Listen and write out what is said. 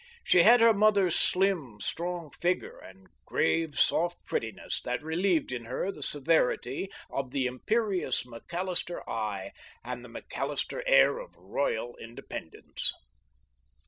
She had her mother's slim, strong figure and grave, soft prettiness that relieved in her the severity of the imperious McAllister eye and the McAllister air of royal independence.